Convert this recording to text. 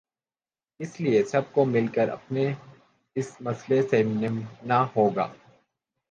اس لیے سب کو مل کر اپنے اس مسئلے سے نمٹنا ہو گا۔